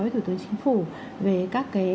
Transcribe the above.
với thủ tướng chính phủ về các